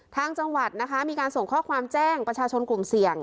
จังหวัดนะคะมีการส่งข้อความแจ้งประชาชนกลุ่มเสี่ยง